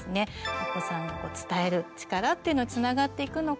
お子さんの伝える力っていうのつながっていくのかなぁと。